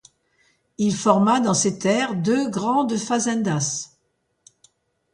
Il forma dans ses terres deux grandes fazendas.